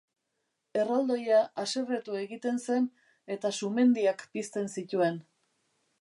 Erraldoia haserretu egiten zen eta sumendiak pizten zituen.